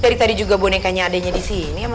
dari tadi juga bonekanya adanya disini